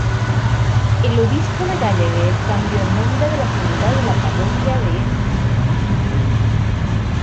El obispo Gallagher cambió el nombre de la comunidad de la parroquia de St.